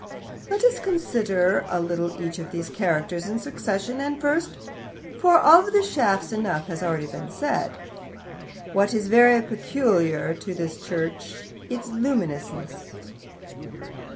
"Let us consider a little each of these characters in succession, and first (for of the shafts enough has been said already), what is very peculiar to this church its luminousness."